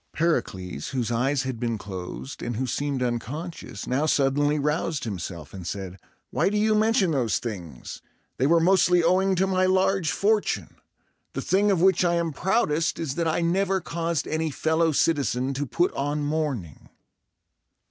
Pericles, whose eyes had been closed, and who seemed unconscious, now suddenly roused himself, and said, "Why do you mention those things? They were mostly owing to my large fortune. The thing of which I am proudest is that I never caused any fellow citizen to put on mourning!"